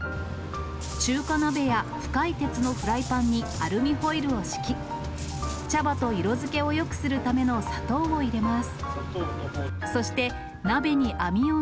中華鍋や深い鉄のフライパンにアルミホイルを敷き、茶葉と色づけをよくするための砂糖を入れます。